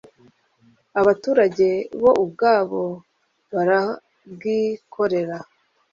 abaturage bo ubwabo barabwikorera